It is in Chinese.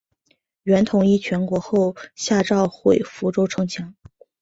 元统一全国后下诏毁福州城墙。